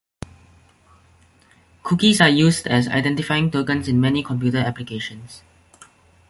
Cookies are used as identifying tokens in many computer applications.